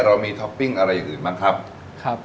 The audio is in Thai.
เรามีท็อปปิ้งอะไรอย่างอื่นบ้างครับครับ